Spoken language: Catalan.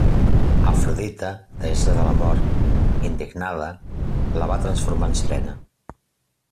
Afrodita, deessa de l'amor, indignada, la va transformar en sirena.